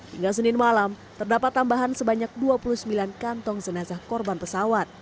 hingga senin malam terdapat tambahan sebanyak dua puluh sembilan kantong jenazah korban pesawat